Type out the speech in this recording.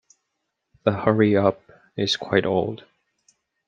The hurry-up is quite old.